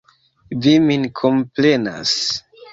Vi min komprenas.